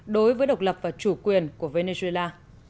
đối với độc lập và chủ quyền của venezuela